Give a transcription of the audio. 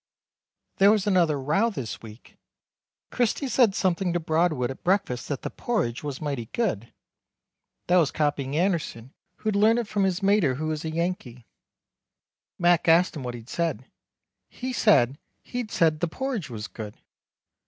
There was another row this week; Christy said something to Broadwood at breakfast that the poridge was mighty good. That was copying Anderson who learnt it from his mater who is a Yankee. Mac asked him what he'd said. He said he'd said the porridge was good.